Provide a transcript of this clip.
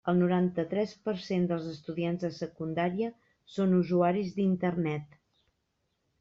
El noranta-tres per cent dels estudiants de secundària són usuaris d'Internet.